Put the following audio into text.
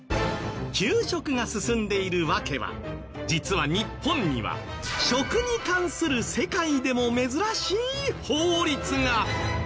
給食が進んでいる訳は実は日本には食に関する世界でも珍しい法律が。